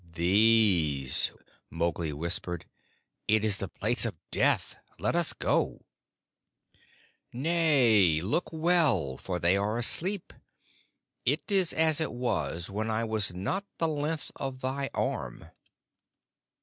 "These," Mowgli whispered. "It is the Place of Death. Let us go." "Nay, look well, for they are asleep. It is as it was when I was not the length of thy arm."